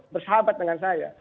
bersahabat dengan saya